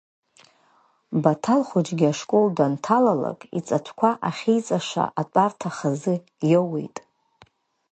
Баҭал хәыҷгьы ашкол данҭалалак, иҵатәқәа ахьиҵаша атәарҭа хазы иоуеит.